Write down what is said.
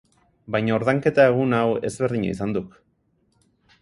Baina ordainketa-egun hau ezberdina izan duk.